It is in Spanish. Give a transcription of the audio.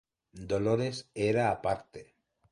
Dolores era aparte.